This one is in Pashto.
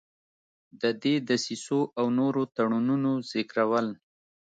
د دې دسیسو او نورو تړونونو ذکرول.